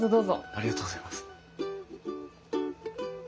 ありがとうございます。